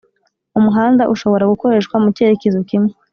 umuhanda ushobora gukoreshwa mu cyerekezo kimwe